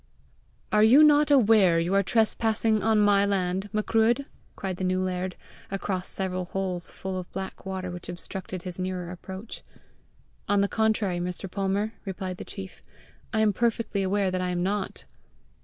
"Are you not aware you are trespassing on my land, Macruadh?" cried the new laird, across several holes full of black water which obstructed his nearer approach. "On the contrary, Mr. Palmer," replied the chief, "I am perfectly aware that I am not!"